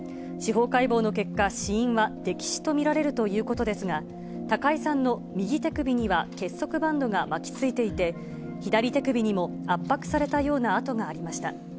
司法解剖の結果、死因は溺死と見られるということですが、高井さんの右手首には結束バンドが巻きついていて、左手首にも圧迫されたような痕がありました。